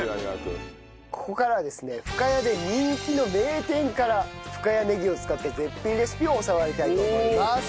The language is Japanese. ここからはですね深谷で人気の名店から深谷ねぎを使った絶品レシピを教わりたいと思います。